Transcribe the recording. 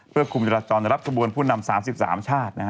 เพื่อคุมจราจรรย์และรับกระบวนผู้นำ๓๓ชาตินะฮะ